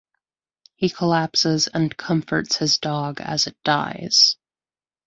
He collapses and comforts his dog as it dies.